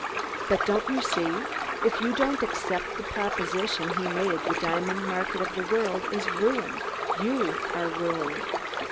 But, don't you see, if you don't accept the proposition he made the diamond market of the world is ruined? You are ruined!"